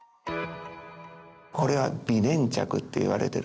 これは微粘着っていわれてる。